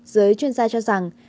giới chuyên gia cho rằng